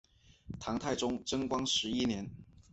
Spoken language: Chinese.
唐太宗贞观十一年。